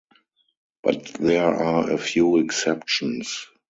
But there are a few exceptions.